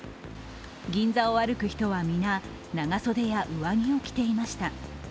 銀座を歩く人は皆、長袖や上着を着ていました。